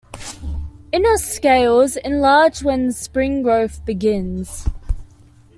Inner scales enlarge when spring growth begins.